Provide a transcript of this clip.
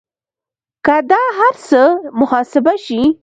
که دا هر څه محاسبه شي